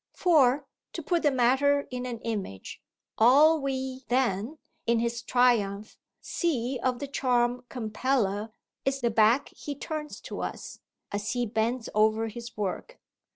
For, to put the matter in an image, all we then in his triumph see of the charm compeller is the back he turns to us as he bends over his work.